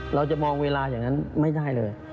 เราจะมองเวลาอย่างนั้นไม่ได้เลย